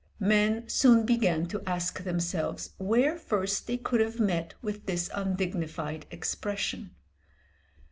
Men soon began to ask themselves where first they could have met with this undignified expression?